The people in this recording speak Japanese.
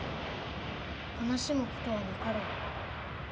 悲しむ事はなかろう。